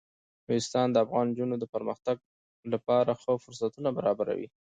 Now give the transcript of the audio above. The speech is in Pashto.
نورستان د افغان نجونو د پرمختګ لپاره ښه فرصتونه برابروي.